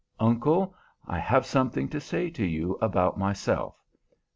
Uncle, I have something to say to you about myself.